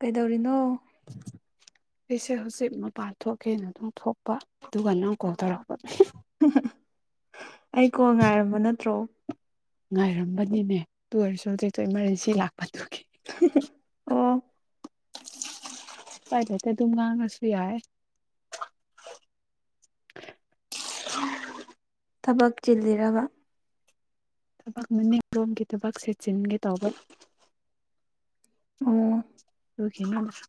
ꯀꯩꯗꯧꯔꯤꯅꯣ ꯑꯩꯁꯦ ꯍꯧꯖꯤꯛ ꯃꯄꯥꯟ ꯊꯣꯛꯀꯦꯅ ꯑꯗꯨꯝ ꯊꯣꯛꯄ ꯑꯗꯨꯒ ꯅꯪ ꯀꯣꯜ ꯇꯧꯔꯛꯄꯅꯦ ꯑꯩꯀꯣ ꯉꯥꯏꯔꯝꯕ ꯅꯠꯇ꯭ꯔꯣ ꯉꯥꯏꯔꯝꯕꯅꯤꯅꯦ ꯇꯨ ꯑꯣꯏꯔꯁꯨ ꯍꯧꯖꯤꯦꯛꯇ ꯏꯃꯥꯔꯖꯦꯟꯁꯤ ꯂꯥꯛꯄꯗꯨꯒꯤ ꯑꯣ ꯄꯂꯦ ꯇ ꯇꯨꯝꯀ ꯀꯁꯨ ꯌꯥꯏ ꯊꯕꯛ ꯆꯤꯜꯂꯤꯔꯕ ꯊꯕꯛ ꯃꯅꯤꯡ ꯂꯣꯝꯒꯤ ꯊꯕꯛ ꯁꯦꯠꯆꯤꯟꯒꯦ ꯇꯧꯕ ꯑꯣ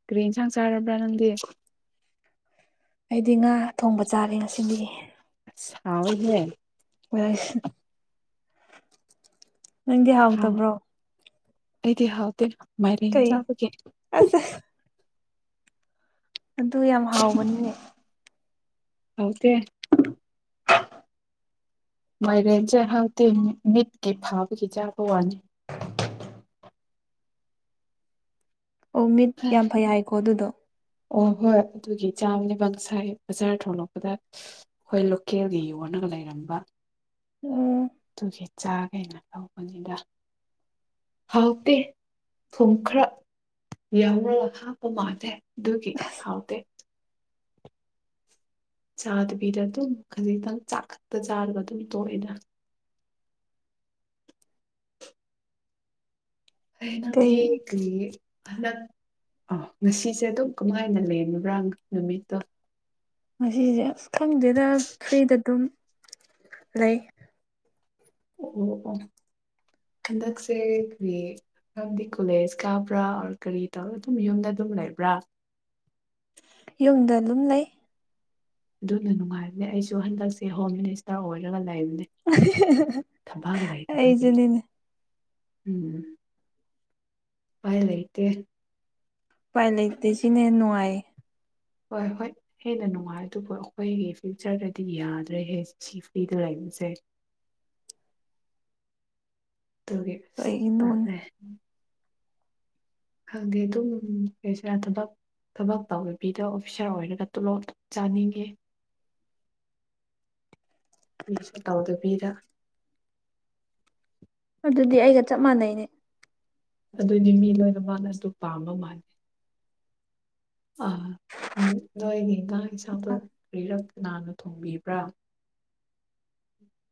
ꯀ꯭ꯔꯟ ꯁꯥꯡ ꯆꯔ꯭ꯔ ꯅꯗꯤ ꯍꯥꯏꯗꯤ ꯉꯥ ꯊꯣꯡꯕ ꯆꯥꯔꯦ ꯉꯁꯤ ꯑꯥꯎ ꯑꯣꯏꯗꯦ ꯍ ꯅꯪꯗꯤ ꯍꯥꯎ ꯍꯥꯎꯇꯕ꯭ꯔꯣ ꯑꯩꯗꯤ ꯍꯥꯎꯗꯦ ꯃꯥꯏꯔꯦꯟ ꯀꯩ ꯆꯥꯕꯒꯤ ꯑꯁ ꯑꯗꯨ ꯌꯥꯝ ꯍꯥꯎꯕꯅꯤꯅꯦ ꯍꯁ ꯃꯥꯏꯔꯦꯟꯁꯦ ꯍꯥꯎꯇꯤ ꯃꯤꯠꯀꯤ ꯐꯥꯕꯒꯤ ꯆꯥꯕ ꯋꯥꯅꯤ [inaudible] ꯑꯣ ꯃꯤꯠ ꯌꯥꯝ ꯐꯩ ꯍꯥꯏꯀꯣ ꯑꯗꯨꯗꯣ ꯑꯣ ꯍꯣꯏ ꯑꯗꯨꯒꯤ ꯆꯥꯝꯃꯅꯤꯕ ꯁꯥꯏ ꯕꯖꯥꯔ ꯊꯣꯂꯛꯄꯗ ꯍꯣꯏ ꯂꯣꯀꯦꯜꯒꯤ ꯌꯣꯟꯅꯒ ꯂꯩ ꯔꯝꯕ [inaudible] ꯑꯗꯨꯨꯒꯤ ꯆꯥꯈꯩꯅ ꯂꯧꯕꯅꯤꯗ ꯍꯥꯎꯇꯦ ꯊꯨꯝ ꯈꯔ ꯌꯥꯎꯔꯒ ꯍꯥꯞꯄ ꯃꯥꯜꯗꯦ ꯗꯨꯒꯤ ꯍꯥꯎꯗꯦ [inaudible] ꯀꯩ ꯍꯅꯗꯤ ꯀ ꯍꯟꯗꯛ ꯑ ꯉꯁꯤꯁꯦ ꯑꯗꯨꯝ ꯀꯃꯥꯏꯅ ꯂꯩ ꯃꯔꯥꯡ ꯅꯨꯃꯤꯠꯇꯣ ꯉꯁꯦ ꯑꯁ ꯈꯪꯗꯦꯗ ꯐ꯭ꯔꯤꯗ ꯑꯗꯨꯝ ꯂꯩ ꯑꯣ ꯍꯟꯗꯛꯁꯦ ꯃꯔꯝꯗꯤ ꯀꯣꯂꯦꯖ ꯀꯥꯕ꯭ꯔꯥ ꯑꯣꯔ ꯀꯔꯤ ꯇꯧꯔ ꯑꯗꯨꯝ ꯌꯨꯝꯗ ꯑꯗꯨꯝ ꯂꯩꯕ꯭ꯔꯥ ꯌꯨꯝꯗ ꯑꯗꯨꯝ ꯂꯩ ꯑꯗꯨꯅ ꯅꯨꯡꯉꯥꯏꯕꯅꯦ ꯑꯩꯁꯨ ꯍꯟꯗꯛꯁꯦ ꯍꯣꯝ ꯃꯤꯅꯤꯁꯇꯔ ꯑꯣꯏꯔꯒ ꯂꯩꯕ ꯂꯩꯇꯕꯒꯤ ꯑꯩꯖꯅꯤꯅꯦ ꯎꯝ ꯄꯥꯏ ꯂꯩꯇꯦ ꯄꯥꯏ ꯂꯩꯇꯁꯤꯅꯦꯅꯅꯨꯡꯉꯥꯏ ꯍꯣꯏ ꯍꯣꯏ ꯍꯦꯟꯅ ꯅꯨꯡꯉꯥꯏ ꯑꯗꯨꯕꯨ ꯑꯩꯈꯣꯏꯒꯤ ꯐ꯭ꯌꯨꯆꯔꯗꯗꯤ ꯌꯥꯗ꯭ꯔꯦ ꯍꯦ ꯆꯦꯐꯂꯤꯗꯨ ꯂꯩꯕ ꯎ ꯁꯦ [inaudible] ꯇꯦ ꯀꯩꯒꯤꯅꯣꯅꯦ ꯇꯗꯦ ꯍꯥꯏꯦ ꯑꯗꯨꯝ ꯀꯁꯔꯠꯇꯕ ꯊꯕꯛ ꯇꯧꯕꯗꯕꯤꯗ ꯑꯣꯐꯤꯁꯥꯔ ꯑꯣꯏꯔꯒ ꯇꯣꯂꯣꯞ ꯆꯥꯅꯤꯡꯉꯦ [inaudible] ꯃꯤꯁꯨ ꯇꯥꯎꯗꯕꯤꯔ ꯑꯗꯨꯗꯤ ꯑꯩꯒ ꯆꯞ [inaudible] ꯑꯗꯨꯅꯤ ꯃꯤ ꯂꯣꯏꯅ ꯃꯥꯅ ꯑꯗꯨ ꯄꯥꯝꯕ ꯃꯥꯂꯦ ꯑ ꯎꯝ ꯅꯣꯏ ꯑꯩꯒꯤ ꯏꯟꯒꯥꯡ ꯏꯁꯥꯗꯣ ꯑ ꯀꯔꯤꯔꯛ ꯀꯅꯥꯅ ꯊꯣꯡꯕꯤꯕ꯭ꯔꯥ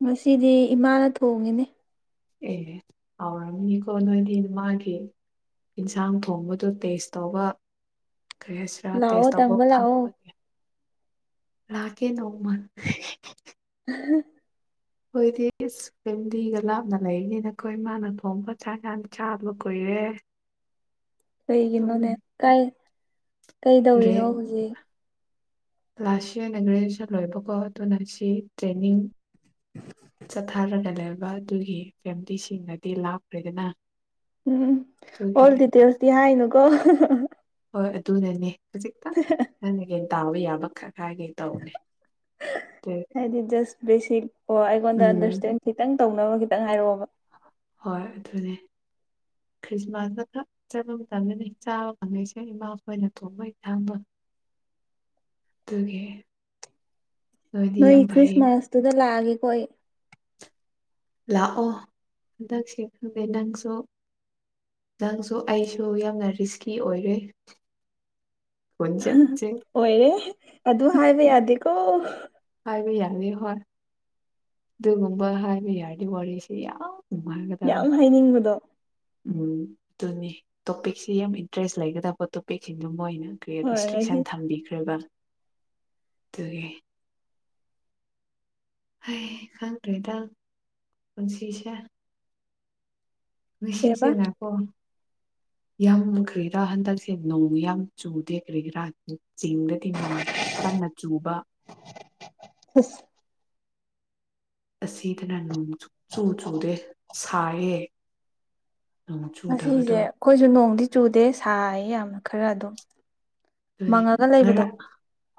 ꯉꯁꯤꯗꯤ ꯏꯃꯥꯅ ꯊꯣꯡꯉꯤꯅꯦ ꯑꯦ ꯍꯥꯎꯔꯝꯃꯤꯅꯤꯀꯣ ꯅꯣꯏꯗꯤ ꯃꯥꯒꯤ ꯏꯟꯁꯥꯡ ꯊꯣꯡꯕꯗ ꯇꯦꯁ ꯇꯧꯕ ꯈ꯭ꯔꯦꯁꯔ ꯂꯥꯛꯑꯣ ꯇꯦꯁ ꯇꯧꯕ ꯇꯪꯕ ꯂꯥꯛꯑꯣ ꯐꯪꯕꯒꯤ ꯂꯛꯀꯦ ꯅꯣꯡꯃ [inaudible] ꯑꯩꯈꯣꯏꯗꯤ ꯐꯦꯃꯤꯂꯤꯒ ꯂꯥꯞꯅ ꯂꯩꯔꯤꯅꯤꯅꯈꯣꯏ ꯃꯥꯅ ꯊꯣꯡꯕ ꯆꯥꯛ ꯌꯥꯝ ꯆꯥꯗꯕ ꯀꯨꯏꯔꯦ ꯍ [unintelligible] ꯀꯩꯒꯅꯣꯅꯦ ꯀꯥꯏ ꯀꯩꯗꯧꯔꯤꯅꯣ ꯍꯧꯖꯤꯛ ꯀ꯭ꯂꯥꯁ ꯏꯔꯅ ꯒ꯭ꯔꯦꯖꯨꯋꯦꯁꯟ ꯂꯣꯏꯕꯀꯣ ꯑꯗꯨꯅ ꯁꯤ ꯇ꯭ꯔꯦꯅꯤꯡ ꯆꯠꯊꯔꯒ ꯂꯩꯕ ꯑꯗꯨꯒꯤ ꯐꯦꯃꯤꯂꯤꯁꯤꯡꯅꯗꯤ ꯂꯥꯞꯈ꯭ꯔꯦꯗꯅ ꯎꯝ ꯑꯗꯨꯒꯤ ꯑꯣꯜ ꯗꯗꯤꯇꯦꯜꯁꯗꯤ ꯌꯥꯅꯨ ꯀꯣ ꯍꯣꯏ ꯑꯗꯨꯅꯅꯦ ꯍꯧꯖꯤꯛꯇꯪ ꯅꯪꯅꯒꯤꯩꯅ ꯇꯥꯕ ꯌꯥꯕ ꯈꯔ ꯍꯥꯏꯦ ꯇꯧꯅꯦ ꯁꯤ ꯑꯣ ꯑꯩꯉꯣꯟꯗ ꯑꯟꯗꯔꯁꯇꯦꯟ ꯈꯤꯇꯪ ꯇꯧꯅꯕ ꯈꯤꯇꯪ ꯍꯥꯏꯔꯛꯑꯣꯕ ꯍꯣꯏ ꯑꯗꯨꯅꯦ [inaudible] ꯈ꯭ꯔꯤꯁꯃꯥꯁꯇ ꯈꯛ ꯆꯠꯄ ꯃꯇꯝꯗꯅꯤ ꯆꯥꯕ ꯀꯥꯡꯪꯉꯩꯁꯦ ꯏꯃꯥꯈꯣꯏꯅ ꯊꯣꯡꯕꯩ ꯊꯥꯡꯕ ꯀꯒꯦ ꯅꯣꯏ ꯈ꯭ꯔꯤꯁꯃꯥꯁꯇꯨꯗ ꯂꯥꯛꯑꯒꯦꯀꯣ ꯑꯩ ꯂꯥꯛꯑꯣ ꯍꯟꯗꯛꯁꯦ ꯐꯒꯦ ꯅꯪꯁꯨ ꯅꯪꯁꯨ ꯑꯩꯁꯨ ꯌꯥꯝꯅ ꯔꯤꯁꯀꯤ ꯑꯣꯏꯔꯦ ꯐꯣꯟꯁꯦ ꯑꯣꯏꯔꯦ ꯑꯗꯨ ꯍꯥꯏꯕ ꯌꯥꯗꯦꯀꯣ ꯍꯥꯏꯕ ꯌꯥꯔꯅꯤ ꯍꯣꯏ ꯑꯗꯨꯒꯨꯝꯕ ꯍꯥꯏꯕ ꯌꯥꯔꯗꯤ ꯋꯥꯔꯤꯁꯤꯦ ꯌꯥꯝ ꯅꯨꯡꯉꯥꯏꯒꯗꯕ ꯌꯥꯝ ꯍꯥꯏꯅꯤꯡꯕꯗꯣ ꯎꯝ ꯑꯗꯨꯅꯤ ꯇꯣꯄꯤꯛꯁꯤ ꯌꯥꯝ ꯏꯟꯇꯔꯦꯁ ꯂꯩꯒꯗꯕ ꯇꯣꯄꯤꯛꯁꯤꯡꯗꯣ ꯃꯣꯏꯅ ꯀ ꯍꯣꯏ ꯉꯁꯤ ꯔꯦꯁꯇ꯭ꯔꯤꯛꯁꯟ ꯊꯝꯕꯤꯈ꯭ꯔꯦꯕ ꯑꯗꯨꯒꯤ ꯍ ꯈꯪ꯭ꯔꯦ ꯇꯪ ꯄꯨꯟꯁꯤꯁꯦ ꯀꯩꯕ ꯁꯦꯁꯗꯄꯣ [unintelligible] [unintelligible] ꯌꯥꯝ ꯀꯔꯤꯔꯥ ꯍꯟꯗꯛꯁꯦ ꯅꯣꯡ ꯌꯥꯝ ꯆꯨꯗꯦ ꯀꯔꯤꯔꯥ ꯆꯤꯡꯗꯗꯤ ꯅꯣꯡ ꯌꯥꯝ ꯀꯟꯅ ꯆꯨꯕ ꯈꯁ ꯑ ꯑꯁꯤ ꯇꯅꯥꯨ ꯆꯨ ꯆꯨꯗ ꯁꯌꯦ ꯉꯁꯤꯁꯦ ꯑꯩꯈꯣꯏꯁꯨ ꯅꯣꯡꯗꯤ ꯆꯨꯗꯦ ꯁꯥꯏ ꯌꯥꯝꯅ ꯈꯔ ꯑꯗꯨꯝ ꯑꯗꯨ ꯃꯪꯉꯒ ꯉꯔ ꯂꯩꯕꯗꯣ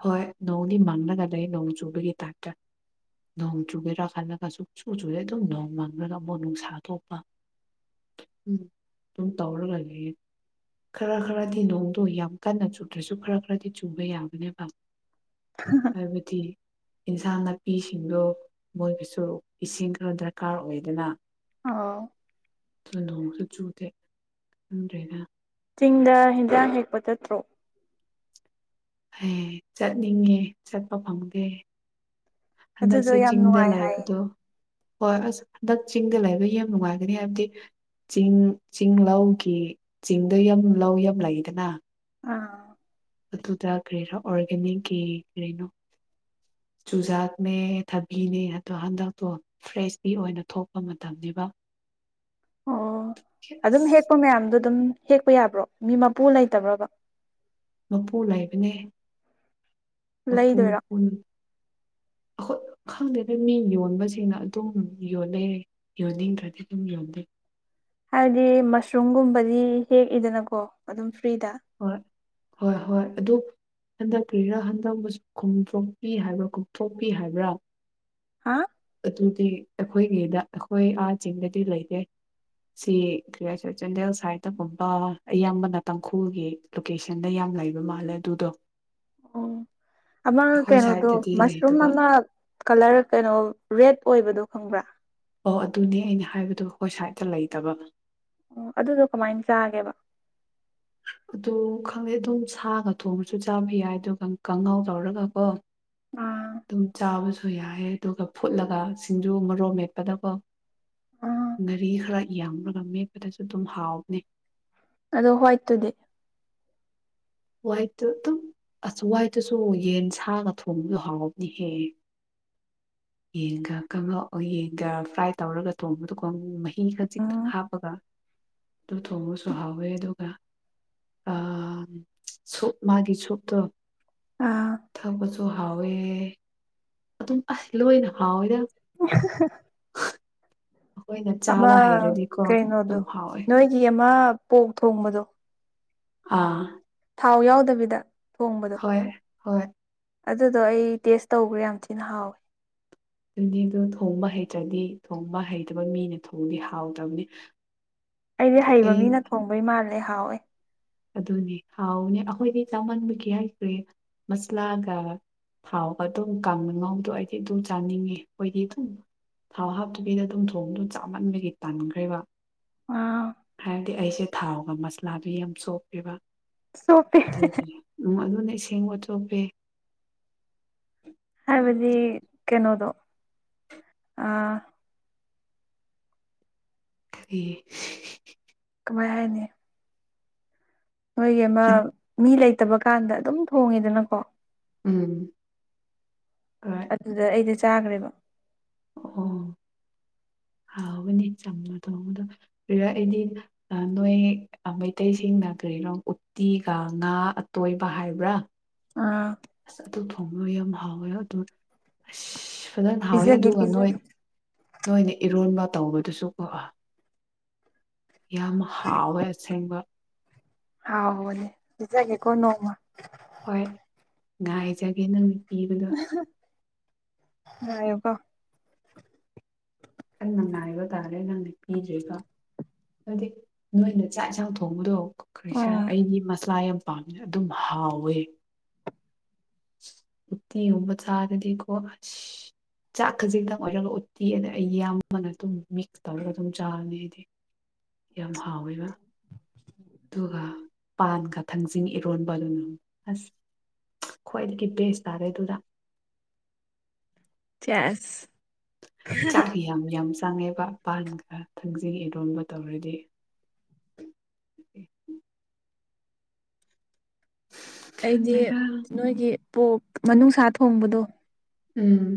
ꯍꯣꯏ ꯅꯣꯡꯗꯤ ꯃꯥꯡꯅꯒ ꯂꯩ ꯅꯣꯡ ꯆꯨꯕꯒꯤ ꯇꯥꯏꯞꯇ ꯅꯣꯡ ꯆꯨꯒꯦꯔꯥ ꯈꯜꯂꯒ ꯁꯨꯝ ꯆꯨ ꯆꯨꯔꯦ ꯑꯗꯨꯝ ꯅꯣꯡ ꯉꯥꯡꯂꯒ ꯑꯃꯨꯛ ꯅꯨꯡꯁꯥ ꯊꯣꯛꯄ ꯎꯝ ꯊ ꯇꯧꯔ ꯂꯒꯦ ꯈꯔ ꯈꯔꯗꯤ ꯅꯣꯡꯗꯣ ꯌꯥꯝ ꯀꯟꯅ ꯆꯨꯝ ꯭ꯔꯁꯨ ꯈꯔ ꯈꯔꯗꯤ ꯆꯨꯕ ꯌꯥꯒꯅꯦꯕ ꯍꯥꯏꯕꯗꯤ ꯏꯟꯁꯥꯡ ꯅꯥꯄꯤꯁꯤꯡꯗꯣ ꯃꯣꯏꯒꯤꯁꯨ ꯏꯁꯤꯡ ꯈꯔ ꯗꯔꯀꯥꯔ ꯑꯣꯏꯗꯅ ꯑꯥꯎ ꯅꯣꯡꯁꯨ ꯆꯨꯗꯦ ꯑꯗꯨꯗ꯭ꯔꯦꯅ ꯆꯤꯡꯗ ꯍꯤꯟꯖꯥꯡ ꯍꯦꯛꯄ ꯆꯠꯇ꯭ꯔꯣ ꯑꯦ ꯆꯠꯅꯤꯡꯉꯦ ꯆꯠꯄ ꯐꯪꯗꯦ ꯑꯗꯨꯗꯣ ꯍꯟꯗꯛꯁꯦ ꯌꯥꯝ ꯆꯤꯡꯗ ꯅꯨꯡꯉꯥꯏ ꯍꯥꯏꯌꯦ ꯂꯥꯏꯕꯗꯣ ꯍꯣꯏ ꯑꯁ ꯍꯟꯗꯛ ꯆꯤꯡꯗ ꯂꯩꯕ ꯌꯥꯝ ꯅꯨꯡꯉꯥꯏꯒꯅꯤ ꯍꯥꯏꯕꯗꯤ ꯆꯤꯡ ꯆꯤꯡ ꯂꯧꯒꯤ ꯆꯤꯡꯗ ꯌꯥꯝ ꯂꯧ ꯌꯥꯝ ꯂꯩꯗꯅ ꯑꯥ ꯑꯗꯨꯗ ꯀꯔꯤꯔꯥ ꯑꯣꯔꯒꯥꯦꯅꯤꯛꯀꯤ ꯀꯔꯤꯅꯣ [unintelligible] ꯆꯨꯖꯥꯛꯅꯦ ꯊꯕꯤꯅꯦ ꯑꯗꯣ ꯍꯟꯗꯛꯇꯣ ꯐ꯭ꯔꯦꯁꯂꯤ ꯑꯣꯏꯅ ꯊꯣꯛꯄ ꯃꯇꯝꯅꯤꯕ ꯑꯣ ꯑꯗꯨꯝ ꯍꯦꯛꯄ ꯃꯌꯥꯝꯗꯣ ꯑꯗꯨꯝ ꯍꯦꯛꯄ ꯌꯥꯕ꯭ꯔꯣ ꯃꯤ ꯃꯄꯨ ꯂꯩꯇꯕ꯭ꯔꯕ ꯃꯄꯨ ꯂꯩꯕꯅꯦ ꯑ ꯂꯩꯗꯣꯏꯔꯣ ꯑ ꯈꯪꯗꯦꯅ ꯃꯤ ꯌꯣꯟꯕꯁꯤꯅ ꯑꯗꯨꯝ ꯌꯣꯂꯩ ꯌꯣꯟꯅꯤꯡꯗ꯭ꯔꯗꯤ ꯑꯗꯨꯝ ꯌꯣꯟꯜꯂꯤꯩ ꯍꯥꯏꯕꯗꯤ ꯃꯁꯔꯨꯝꯒꯨꯝꯕꯗꯤ ꯍꯦꯛꯏꯗꯅꯀꯣ ꯑꯗꯨꯝ ꯐ꯭ꯔꯤꯗ ꯍꯣꯏ ꯍꯣꯏ ꯍꯣꯏ ꯑꯗꯨ ꯍꯟꯗꯛꯀꯤꯔ ꯍꯟꯗꯛ ꯈꯣꯡꯗꯣꯛꯄꯤ ꯍꯥꯏꯕ꯭ꯔꯥ ꯈꯣꯡꯇꯣꯛꯄꯤ ꯍꯥꯏꯕ꯭ꯔꯥ ꯍꯥ ꯑꯗꯨꯗꯤ ꯑꯩꯈꯣꯏꯒꯤꯗ ꯑꯩꯈꯣꯏ ꯑꯥ ꯆꯤꯡꯗꯗꯤ ꯂꯩꯇꯦ ꯁꯤ ꯀꯔꯤ ꯆꯥꯟꯗꯦꯜ ꯁꯥꯏꯗꯒꯨꯝꯕ ꯑꯌꯥꯝꯕꯅ ꯇꯥꯡꯈꯨꯜꯒꯤ ꯂꯣꯀꯦꯁꯟꯗ ꯌꯥꯝ ꯂꯩꯕ ꯃꯥꯜꯂꯦ ꯑꯗꯨꯗꯣ ꯑꯣ ꯑꯃ ꯑꯩꯈꯣꯏ ꯀꯩꯅꯣꯗꯣ ꯁꯥꯏꯠꯇꯗꯤ ꯃꯁꯔꯨꯝ ꯂꯩꯇꯕ ꯑꯃ ꯀꯂꯔ ꯀꯩꯅꯣ ꯔꯦꯠ ꯑꯣꯏꯕꯗꯣ ꯈꯪꯕ꯭ꯔꯥ ꯑꯣ ꯑꯗꯨꯅꯦ ꯑꯩꯅ ꯍꯥꯏꯕꯗꯣ ꯑꯩꯈꯣꯏ ꯁꯥꯏꯠꯇ ꯂꯩꯇꯕ ꯑꯣ ꯑꯗꯨꯗꯣ ꯀꯃꯥꯏꯅ ꯆꯥꯒꯦꯕ ꯑꯗꯨ ꯈꯪꯗꯦ ꯑꯗꯨꯝ ꯁꯥꯒ ꯊꯣꯡꯉꯁꯨ ꯆꯥꯕ ꯌꯥꯏ ꯑꯗꯨꯒ ꯀꯥꯡꯪꯍꯥꯎ ꯇꯧꯔꯒ ꯀꯣ ꯑꯥ ꯑꯗꯨꯝ ꯆꯥꯕꯁꯨ ꯌꯥꯏꯑꯦ ꯑꯗꯨꯒ ꯐꯨꯠꯂꯒ ꯁꯤꯡꯖꯨ ꯃꯔꯣ ꯃꯦꯠꯄꯗꯀꯣ ꯑꯥ ꯉꯥꯔꯤ ꯈꯔ ꯌꯥꯝꯕꯒ ꯃꯦꯠꯄꯗꯁꯨ ꯑꯗꯨꯝ ꯍꯥꯎꯕꯅꯦ ꯑꯗꯣ ꯍꯣꯏ ꯇꯗꯤ ꯍꯣꯏꯇ ꯑꯁꯋꯥꯏꯗꯨꯁꯨ ꯌꯦꯟ ꯁꯥꯥꯡꯉ ꯊꯣꯡꯕꯗꯣ ꯍꯥꯎꯕꯅꯤꯍꯦ [unintelligible] ꯌꯦꯟꯒ ꯀꯉꯛ ꯌꯦꯟꯒ ꯐ꯭ꯔꯥꯏ ꯇꯧꯔꯒ ꯊꯣꯡꯕꯗꯨꯒꯣ ꯑꯃ ꯃꯍꯤ ꯈꯖꯤꯛꯇꯪ ꯎꯝ ꯍꯥꯞꯄꯒ ꯑꯗꯨ ꯊꯣꯡꯕꯁꯨ ꯍꯥꯎꯋꯦ ꯑꯗꯨꯒ ꯑ ꯁ ꯃꯥꯒꯤ ꯁꯇꯣ ꯑꯥ ꯊ ꯁ ꯍꯥꯎꯋꯦ ꯑꯗꯨꯝ ꯑꯁ ꯂꯣꯏꯅ ꯍꯥꯎꯋꯦꯗ [unintelligible] ꯑꯩꯈꯣꯏꯅ ꯑꯃ ꯆꯥꯕ ꯍꯩꯔꯗꯤꯀꯣ ꯀꯩꯅꯣꯗꯣ ꯑꯗꯨꯝ ꯍꯥꯎꯋꯦ ꯅꯣꯏꯒꯤ ꯑꯃ ꯄꯣꯛ ꯊꯣꯡꯕꯗꯣ ꯑꯥ ꯊꯥꯎ ꯌꯥꯎꯗꯕꯤꯗ ꯊꯣꯡꯕꯗꯣ ꯍꯣꯏ ꯍꯣꯏ ꯑꯗꯨꯗꯣ ꯑꯩ ꯇꯦꯁ ꯇꯧꯈ꯭ꯔꯥ ꯌꯥꯝ ꯊꯤꯅ ꯍꯥꯎꯋꯦ ꯟꯗꯤꯗꯨ ꯊꯣꯡꯕ ꯍꯩꯇ꯭ꯔꯗꯤ ꯊꯣꯡꯕ ꯍꯩꯇꯕ ꯃꯤꯅ ꯊꯣꯡꯗꯤ ꯍꯥꯎꯇꯕꯅꯤ ꯑꯩꯗꯤ ꯍꯩꯕ ꯑꯩ ꯃꯤꯅ ꯊꯣꯡꯕꯩ ꯃꯥꯜꯂꯦ ꯍꯥꯎꯋꯦ ꯑꯗꯨꯅꯦ ꯍꯥꯎꯅꯦ ꯑꯩꯈꯣꯏꯗꯤ ꯆꯥꯃꯟꯕꯒꯤ ꯍꯥꯏꯈ꯭ꯔꯦ ꯃꯁꯂꯥꯒ ꯍꯥꯎꯕ ꯑꯗꯨꯝ ꯀꯪ ꯉꯥꯎꯗꯣ ꯑꯩꯗꯤ ꯑꯗꯨꯝ ꯆꯥꯅꯤꯡꯉꯦ ꯑꯩꯣꯏꯗꯤ ꯑꯗꯨꯝ ꯊꯥꯎ ꯍꯥꯞꯇꯕꯤꯗ ꯑꯗꯨꯝ ꯊꯣꯡꯗꯨ ꯆꯥꯃꯟꯕꯒꯤ ꯇꯥꯟꯈ꯭ꯔꯦꯕ ꯑꯥ ꯍꯥꯏꯕꯗꯤ ꯑꯩꯁꯦ ꯊꯥꯎꯒ ꯃꯁꯂꯥꯕꯤ ꯌꯥꯝ ꯁꯣꯛ ꯁꯣꯞꯄꯤ ꯑꯗꯨꯗꯒꯤꯝ ꯑꯗꯨꯅꯦ ꯏꯁꯤꯡ ꯎꯆꯣꯛꯄꯤ ꯍꯥꯏꯕꯗꯤ ꯀꯩꯅꯣꯗꯣ ꯑꯥ ꯑꯦ ꯣꯏ ꯍꯥꯏꯅꯦ ꯅꯣꯏꯒꯤ ꯑꯃ ꯃꯤ ꯂꯩꯇꯕ ꯀꯥꯟꯗ ꯑꯗꯨꯝ ꯊꯣꯡꯉꯤꯗꯅꯀꯣ ꯎꯝ ꯑꯗꯨꯗ ꯑꯩꯗ ꯆꯥꯈ꯭ꯔꯦꯕ ꯑꯥ [unintelligible] ꯍꯥꯎꯕꯅꯤ ꯆꯝꯅ ꯊꯣꯡꯕꯗꯣ ꯄꯔ ꯑꯩꯗꯤ ꯅꯣꯏ ꯃꯩꯇꯩꯁꯤꯡꯅ ꯀꯔꯣ ꯎꯠꯇꯤꯒ ꯉꯥ ꯑꯇꯣꯏꯕ ꯍꯥꯏꯕ꯭ꯔꯥ ꯑꯥ ꯑꯁ ꯑꯗꯨ ꯊꯣꯡꯕ ꯌꯥꯝ ꯍꯥꯎꯋꯦ ꯑꯗꯨ ꯑꯁ ꯁꯗꯅ ꯍꯥꯎꯋꯤ ꯄꯤꯖꯒꯦ ꯑꯗꯨꯒ ꯅꯣꯏ ꯄꯤꯖꯒꯦ ꯅꯣꯏꯅ ꯏꯔꯣꯟꯕ ꯇꯧꯕꯗꯨꯁꯨ ꯀꯣ ꯌꯥꯝ ꯍꯥꯎꯋꯦ ꯑꯁꯦꯡꯕ ꯍꯥꯎꯅꯦ ꯖꯒꯦ ꯀꯅꯣꯡꯃ ꯍꯣꯏ ꯉꯥꯏꯖꯒꯦ ꯅꯪ ꯄꯤꯕꯗꯣ ꯉꯒ ꯀꯜ ꯅꯪꯅꯑꯕ ꯇꯥꯔꯦ ꯅꯪ ꯄꯤꯖꯦꯒ ꯍꯥꯏꯗꯤ ꯅꯣꯏꯅ ꯆꯥꯛ ꯌꯦꯟꯁꯥꯡ ꯊꯣꯡꯕꯗꯣ ꯈ ꯈꯔ ꯑꯣ ꯑꯩꯒꯤ ꯃꯁꯂꯥ ꯌꯥꯝ ꯄꯥꯝꯅ ꯑꯗꯨꯝ ꯍꯥꯎꯋꯦ ꯎꯅꯤ ꯎꯕ ꯆꯥꯗꯗꯤꯀꯣ ꯑ ꯆꯈꯁꯤꯗ ꯃ ꯎꯠꯇꯤꯅꯦ ꯑꯩ ꯏꯌꯥꯝꯕꯅ ꯑꯗꯨꯝ ꯃꯤꯛꯁ ꯇꯧꯔꯒ ꯑꯗꯨꯝ ꯆꯥꯔꯅꯤ ꯍꯥꯏꯗꯤ ꯌꯥꯝ ꯍꯥꯎꯋꯦꯕ ꯑꯗꯨꯒ ꯄꯥꯟꯒ ꯊꯥꯡꯖꯤꯡ ꯏꯔꯣꯟꯕ ꯂꯨꯅ ꯑꯁ ꯈ꯭ꯋꯥꯏꯗꯒꯤ ꯕꯦꯁ ꯇꯥꯔꯦ ꯑꯗꯨꯗ ꯆꯥꯁ ꯆꯥꯛ ꯌꯥꯝ ꯌꯥꯝ ꯆꯪꯉꯦꯕꯄꯥꯟꯒ ꯊꯥꯡꯖꯤꯔꯣꯟꯕ ꯇꯧꯔꯗꯤ [inaudible] ꯑꯩꯗꯤ ꯈꯪꯗ꯭ꯔꯦꯗ ꯅꯣꯏꯒꯤ ꯄꯣꯛ ꯃꯅꯨꯡꯅꯨꯡꯁꯥ ꯊꯣꯡꯕꯗꯣ ꯎꯝ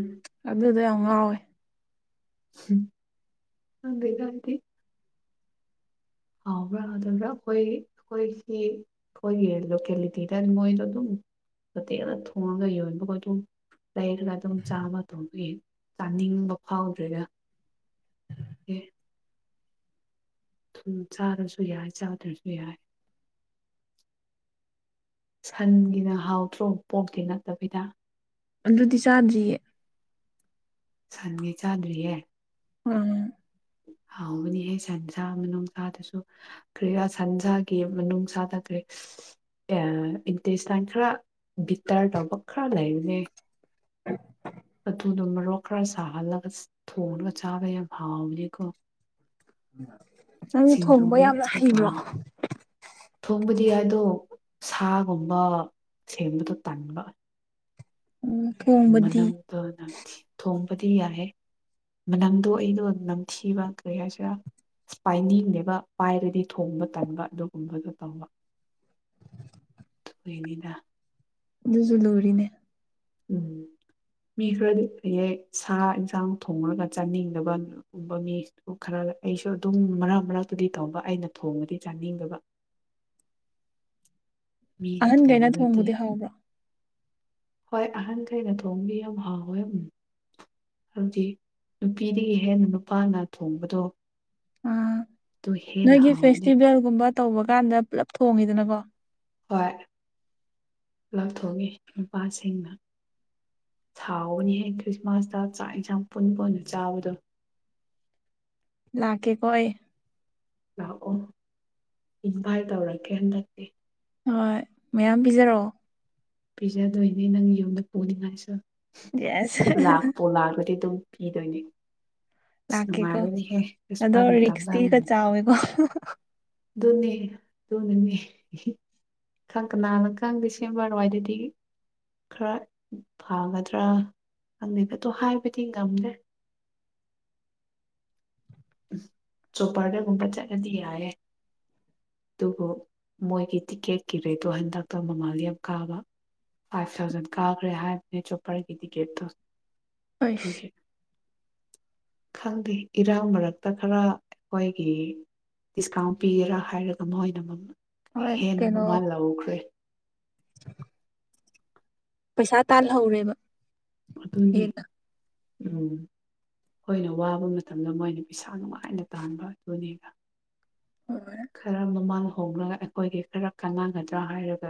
ꯑꯗꯨꯗ ꯑ ꯉꯋꯦ [unintelligible] ꯊꯗ ꯀꯗꯤ ꯑꯥꯎ ꯌꯥꯕ꯭ꯔꯥꯕ꯭ꯔꯥ ꯑꯩꯈꯣꯏ ꯑꯩꯈꯣꯏꯒꯤ ꯑꯩꯈꯣꯏꯒꯤ ꯂꯣꯀꯦꯂꯤꯇꯤꯗ ꯃꯣꯏꯗꯣ ꯑꯗꯨꯝ ꯐꯤꯗ ꯊꯣꯡꯅꯒ ꯑꯣꯏꯕ ꯀꯆ ꯂꯩꯔꯒ ꯑꯗꯨꯝ ꯆꯥꯕ ꯊꯣꯡꯑ ꯆꯥꯅꯤꯡꯕ ꯐꯥꯎꯗ꯭ꯔꯦꯒ ꯍ ꯎꯝ ꯆꯥꯔꯁꯨ ꯌꯥꯏ ꯆꯥꯗ꯭ꯔꯁꯨ ꯌꯥꯏ ꯁꯟꯒꯤꯅ ꯍꯥꯎꯗ꯭ꯔꯣ ꯄꯣꯛꯇꯤ ꯅꯠꯇꯕꯤꯗ ꯑ ꯔꯨꯗꯤ ꯆꯥꯗꯔꯤꯌꯦ ꯁꯟꯒꯤ ꯆꯥꯗ꯭ꯔꯤꯍꯦ ꯎꯝ ꯍꯥꯎꯕꯅꯤꯍꯦ ꯁꯟꯁꯥ ꯅꯨꯡꯁꯥꯗꯁꯨ ꯀ꯭ꯔꯤ ꯁꯟꯖꯥꯒꯤ ꯃꯅꯨꯡꯅꯨꯡꯁꯥꯗ ꯀꯔꯤ ꯎ ꯏꯟꯇꯔꯦꯁꯇꯥꯟ ꯈꯔ ꯇꯥꯔ ꯇꯧꯕ ꯈꯔ ꯂꯩꯔꯨꯅꯦ ꯑꯗꯨꯨꯗꯣ ꯃꯔꯣꯛ ꯈꯔ ꯁꯥꯍꯜꯂꯒ ꯊꯣꯡꯉꯒ ꯆꯥꯕ ꯌꯥꯝ ꯍꯥꯎꯕꯅꯤ ꯄꯤꯣ ꯅꯪꯁꯨ ꯊꯣꯡꯕ ꯌꯥꯝꯅ ꯃꯦꯠꯄꯗꯁꯨ ꯍꯩꯕ꯭ꯔꯣ ꯍꯥꯎ ꯊꯣꯡꯕꯗꯤ ꯍꯥꯏꯗꯣ ꯁꯥꯒꯨꯝꯕ ꯁꯦꯝꯕꯗꯣ ꯇꯟꯕ ꯎꯝ ꯊꯣꯡꯕꯗꯤ ꯃꯅꯝꯗ ꯅꯪ ꯊꯣꯡꯕꯗꯤ ꯌꯥꯏꯦ ꯃꯅꯝꯗꯣ ꯑꯩꯗꯣ ꯅꯝꯊꯤꯕ ꯀꯔꯤ ꯍꯥꯏꯁꯤꯔꯥ ꯏꯁꯄꯥꯏꯅꯤꯡꯅꯦꯕ ꯄꯥꯏꯔꯗꯤ ꯊꯣꯡꯕ ꯇꯟꯕ ꯑꯗꯨꯒꯨꯝꯕꯗꯨꯣ ꯇꯧꯕ ꯅꯤꯗ ꯑꯗꯨꯁꯨꯨ ꯂꯣꯔꯤꯅꯦ ꯎꯝ ꯃꯤ ꯈꯔꯗꯤ ꯍꯌꯦꯦꯛ ꯁꯥ ꯌꯦꯟꯁꯥꯡ ꯊꯣꯡꯂꯒ ꯆꯥꯅꯤꯡꯗꯕꯒꯨꯝꯕ ꯃꯤꯗꯨ ꯈꯔ ꯑꯩꯁꯨ ꯑꯗꯨꯝ ꯃꯔꯛ ꯃꯔꯛꯇꯨꯗꯤ ꯇꯧꯕ ꯑꯩꯅ ꯊꯣꯡꯉꯗꯤ ꯆꯥꯅꯤꯡꯗꯕ [inaudible] ꯃꯤꯅ ꯑꯍꯟꯈꯩꯅ ꯊꯣꯡꯕꯅꯗꯤ ꯊꯣꯡꯕꯨꯗꯤ ꯍꯥꯎꯕ꯭ꯔꯥ ꯍꯣꯏ ꯑꯍꯟꯈꯩꯅ ꯊꯣꯡꯕꯤ ꯌꯥꯝ ꯍꯥꯎꯋꯦꯝ [inaudible] ꯍꯧꯖꯤꯛ ꯅꯨꯄꯤꯗꯒꯤ ꯍꯦꯟꯅ ꯅꯨꯄꯥꯅ ꯊꯣꯡꯕꯗꯣ ꯑꯥ ꯑꯗꯨ ꯍꯦꯟꯅ ꯅꯣꯏꯒꯤ ꯍꯥꯎꯕꯅꯦ ꯐꯦꯁꯇꯤꯚꯦꯜꯒꯨꯝꯕ ꯇꯧꯕ ꯀꯥꯟꯗ ꯄꯨꯜꯂꯞ ꯊꯣꯡꯉꯤꯗꯅꯀꯣ ꯍꯣꯏ ꯂꯥꯎꯊꯣꯛꯒꯦ ꯅꯨꯄꯥꯁꯤꯡꯅ ꯁꯥꯎꯕꯅꯤꯍꯦꯛ ꯈ꯭ꯔꯤꯁꯃꯥꯁꯇ ꯆꯥꯛ ꯏꯟꯁꯥꯡ ꯄꯨꯟꯕ ꯑꯣꯏꯅ ꯆꯥꯕꯗꯣ ꯂꯥꯛꯀꯦ ꯀꯣꯏ ꯂꯥꯛꯑꯣ ꯏꯟꯚꯥꯏꯠ ꯇꯧꯔꯀꯦ ꯍꯟꯗꯛꯇꯤ ꯍꯣꯏ ꯃꯌꯥꯝ ꯄꯤꯖꯔꯛꯑꯣ ꯄꯤꯖꯗꯣꯏꯅꯤꯅꯅꯦ ꯅꯪ ꯌꯨꯝꯗ ꯄꯨꯅꯤꯡꯉꯥꯏꯁꯨ ꯌꯦꯁ ꯂꯥꯛꯄꯣ ꯂꯥꯛꯂꯗꯤ ꯑꯗꯨꯝ ꯄꯤꯗꯣꯏꯅꯦ ꯑꯁ ꯂꯥꯛꯀꯦꯀꯣ ꯅꯨꯡꯉꯥꯏꯔꯗꯤꯍꯦ ꯑꯗꯣ ꯀꯁꯄꯥꯗꯨꯝ ꯔꯤꯛꯁꯇꯤꯒ ꯇꯥꯖꯔꯝꯒꯅꯤ ꯆꯥꯎꯋꯦꯀꯣ ꯗꯣꯅꯤ ꯗꯣꯅꯅꯤ ꯈꯪ ꯀꯅꯥꯅ ꯈꯪꯗꯦ ꯁꯦꯝꯕꯔꯋꯥꯏꯗꯗꯤ ꯈꯔ ꯐꯒꯗ꯭ꯔꯥ ꯈꯪꯗꯦꯒꯗꯣ ꯍꯥꯏꯕꯗꯤ ꯉꯝꯗ꯭ꯔꯦ ꯁꯣꯄꯔꯗꯒꯨꯝꯕ ꯆꯠꯂꯗꯤ ꯌꯥꯔꯦ ꯑꯗꯨꯕꯨ ꯃꯣꯏꯒꯤ ꯇꯤꯛꯀꯦꯠꯀꯤ ꯔꯦꯠꯇꯣ ꯍꯟꯗꯛꯇ ꯃꯃꯜꯗ ꯌꯥꯝ ꯀꯥꯕ ꯐꯥꯏꯚ ꯊꯥꯎꯖꯟ ꯀꯥꯈ꯭ꯔꯦ ꯍꯥꯏꯕꯅꯦ ꯆꯣꯄꯔꯒꯤ ꯇꯤꯛꯀꯦꯠꯇꯣ ꯑꯁ ꯈꯪꯗꯦ ꯏꯔꯥꯡ ꯃꯔꯛ ꯍꯛꯇ ꯈꯔ ꯑꯩꯈꯣꯏꯒꯤ ꯗꯤꯁꯀꯥꯎꯟ ꯄꯤꯒꯦꯔꯥ ꯍꯥꯏꯔꯒ ꯃꯣꯏꯅ ꯍꯣꯏ ꯍꯦꯟꯅ ꯀꯩꯅꯣ ꯃꯃꯥ ꯂꯥꯎꯍꯈ꯭ꯔꯦ ꯄꯩꯁꯥ ꯇꯥꯜꯍꯧꯔꯦꯕ ꯑꯗꯨꯅꯤ ꯍꯦꯟꯅ ꯎꯝ ꯑꯩꯈꯣꯏꯅ ꯋꯥꯕ ꯃꯇꯝꯗ ꯃꯣꯏꯅ ꯄꯩꯁꯥ ꯅꯨꯡꯉꯥꯏꯅ ꯇꯥꯟꯕ ꯑꯗꯨꯅꯦꯕ ꯍꯣꯏ ꯈꯔ ꯃꯃꯥꯡ ꯍꯣꯡꯂꯒ ꯑꯩꯈꯣꯏꯒꯤ ꯈꯔ ꯀꯥꯟꯅꯒꯗ꯭ꯔꯥ ꯍꯥꯏꯔꯒ